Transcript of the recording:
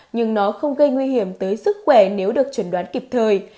nhưng nó không gây nguy hiểm tới sức khỏe nếu được chuẩn đoán kịp thời